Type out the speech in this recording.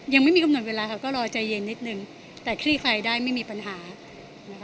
ยังไม่มีกำหนดเวลาค่ะก็รอใจเย็นนิดนึงแต่คลี่คลายได้ไม่มีปัญหานะคะ